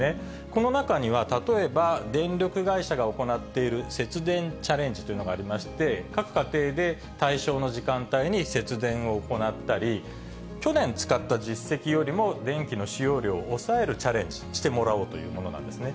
この中には例えば、電力会社が行っている節電チャレンジというのがありまして、各家庭で対象の時間帯に節電を行ったり、去年使った実績よりも電気の使用量を抑えるチャレンジをしてもらおうというものなんですね。